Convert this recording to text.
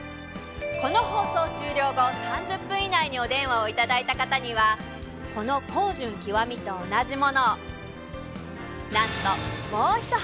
この放送終了後３０分以内にお電話をいただいた方にはこの皇潤極と同じものを。